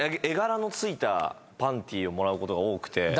絵柄の付いたパンティーをもらうことが多くて。